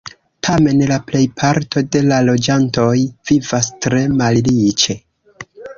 Tamen la plejparto de la loĝantoj vivas tre malriĉe.